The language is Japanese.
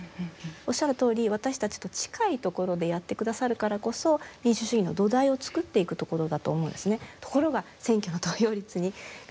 おっしゃるとおり私たちと近いところでやってくださるからこそ民主主義の土台を作っていくところだと思うんですね。